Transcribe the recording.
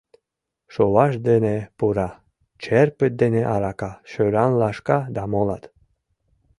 Шоваш дене пура, черпыт дене арака, шӧран лашка да молат.